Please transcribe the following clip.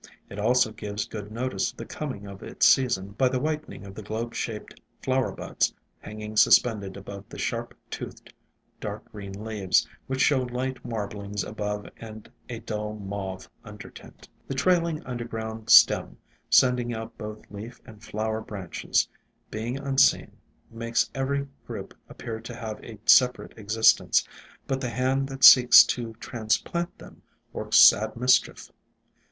It also gives good notice of the coming of IN SILENT WOODS its season by the whitening of the globe shaped flower buds hanging suspended above the sharp toothed, dark green leaves, which show light marblings above and a dull mauve undertint. The trailing underground stem, sending out both leaf and flower branches, being unseen, makes every group appear to have a separate existence, but the hand that seeks to trans plant them works sad mis chief.